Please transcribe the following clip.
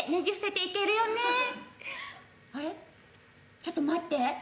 ちょっと待って。